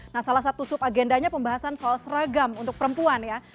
nah salah satu sub agendanya pembahasan soal seragam untuk perempuan ya